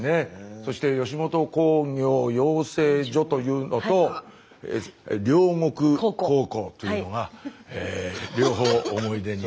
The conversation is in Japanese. そして吉本興業養成所というのと両国高校というのがえ両方思い出に。